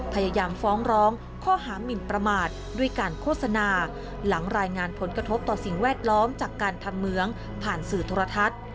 พยายามฟ้องร้องข้อหามินประมาทด้วยการโฆษณาหลังรายงานผลกระทบต่อสิ่งแวดล้อมจากการทำเมืองผ่านสื่อโทรทัศน์